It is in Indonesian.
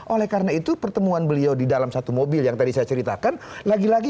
oleh karena itu pertemuan beliau di dalam satu mobil yang tadi saya ceritakan lagi lagi